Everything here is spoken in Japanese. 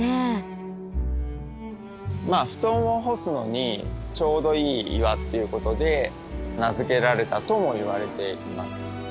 まあ布団を干すのにちょうどいい岩っていうことで名付けられたともいわれています。